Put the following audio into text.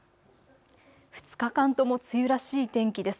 ２日間とも梅雨らしい天気です。